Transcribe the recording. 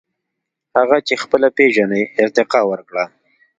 • هغه چې خپله پېژنې، ارتقاء ورکړه.